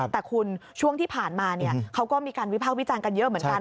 แต่คุณช่วงที่ผ่านมาเขาก็มีการวิพากษ์วิจารณ์กันเยอะเหมือนกัน